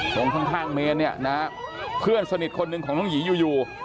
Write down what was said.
ตรงข้างเมนเนี่ยนะฮะเพื่อนสนิทคนหนึ่งของน้องหยีอยู่อยู่